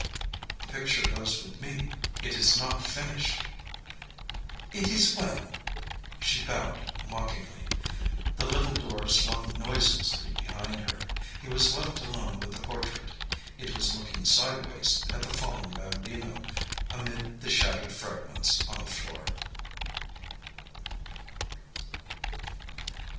"The picture goes with me. It is not finished." "It is well." She bowed mockingly. The little door swung noiselessly behind her. He was left alone with the portrait. It was looking sideways at the fallen Bambino amid the shattered fragments on the floor.